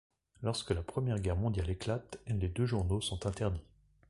Lorsque la Première Guerre mondiale éclate, les deux journaux sont interdits.